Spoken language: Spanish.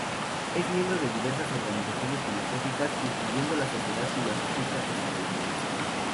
Es miembro de diversas organizaciones filosóficas, incluyendo la Sociedad Filosófica Estadounidense.